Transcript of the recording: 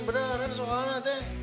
beneran sumpah naun teh